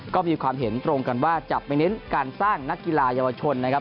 ก็มีความเห็นตรงกันว่าจะไม่เน้นการสร้างนักกีฬาเยาวชนนะครับ